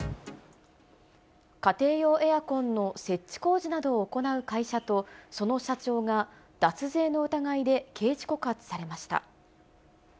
家庭用エアコンの設置工事などを行う会社と、その社長が脱税の疑いで刑事告発されました。